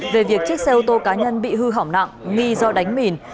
về việc chiếc xe ô tô cá nhân bị hư hỏng nặng nghi do đánh mìn